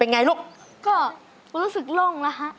ไงลูกก็รู้สึกโล่งแล้วฮะ